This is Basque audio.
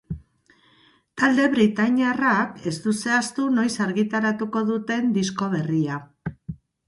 Talde britainiarrak ez du zehaztu noiz argitaratuko duten disko berria.